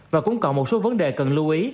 và cũng còn một số vấn đề cần lưu ý